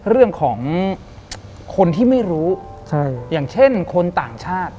เรื่องของคนที่ไม่รู้อย่างเช่นคนต่างชาติ